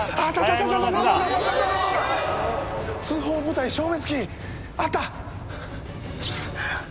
通報部隊消滅キー、あった。